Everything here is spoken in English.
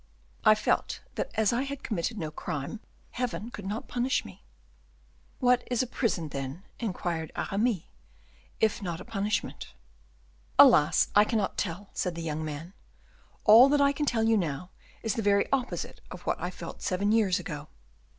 "I felt that as I had committed no crime, Heaven could not punish me." "What is a prison, then," inquired Aramis, "if it be not a punishment." "Alas! I cannot tell," said the young man; "all that I can tell you now is the very opposite of what I felt seven years ago."